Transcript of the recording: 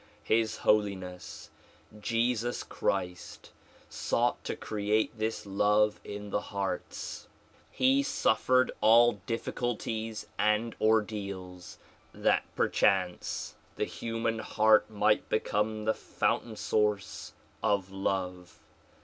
His Holiness Jesus Christ sought to create this love in the hearts. He suffered all difficulties and ordeals that perchance the liuman heart might become the fountain source of love.